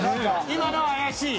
今のは怪しい。